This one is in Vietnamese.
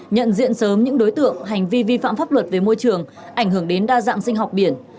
nhận diện sớm những đối tượng hành vi vi phạm pháp luật về môi trường ảnh hưởng đến đa dạng sinh học biển